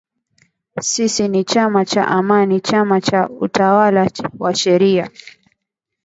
Sisi ni chama cha Amani, chama cha utawala wa sheria